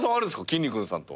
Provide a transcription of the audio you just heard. きんに君さんと。